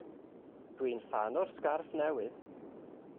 Dwi'n ffan o'r sgarff newydd.